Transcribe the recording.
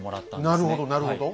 なるほどなるほど。